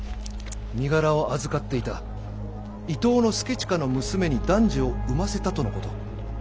身柄を預かっていた伊東祐親の娘に男児を産ませたとのこと。